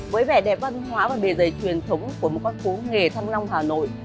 với vẻ đẹp văn hóa và bề dày truyền thống của một con phố nghề thăng long hà nội